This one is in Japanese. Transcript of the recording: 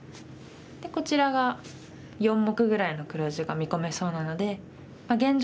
でこちらが４目ぐらいの黒地が見込めそうなので現状